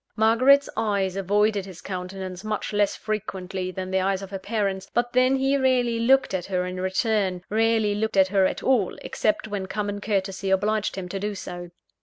Margaret's eyes avoided his countenance much less frequently than the eyes of her parents; but then he rarely looked at her in return rarely looked at her at all, except when common courtesy obliged him to do so.